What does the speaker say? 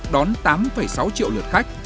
đón tám sáu triệu lượt khách